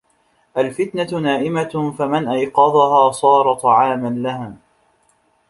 الْفِتْنَةُ نَائِمَةٌ فَمَنْ أَيْقَظَهَا صَارَ طَعَامًا لَهَا